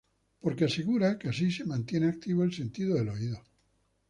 Porque asegura que así se mantiene activo el sentido del oído.